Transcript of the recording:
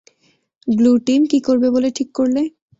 Blue team, কী করবে বলে ঠিক করলে?